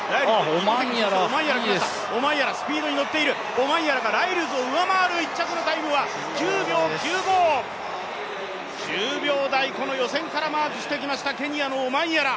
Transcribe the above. オマンヤラがライルズを上回る１着のタイムは９秒９５９秒台、この予選からマークしてきました、ケニアのオマンヤラ。